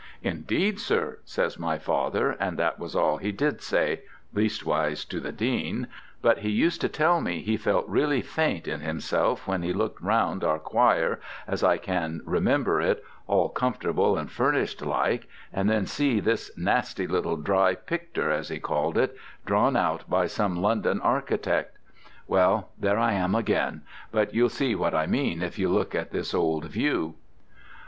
'In deed, sir,' says my father, and that was all he did say leastways to the Dean but he used to tell me he felt really faint in himself when he looked round our choir as I can remember it, all comfortable and furnished like, and then see this nasty little dry picter, as he called it, drawn out by some London architect. Well, there I am again. But you'll see what I mean if you look at this old view."